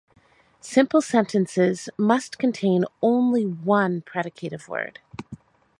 Simple sentences must contain only one predicative word.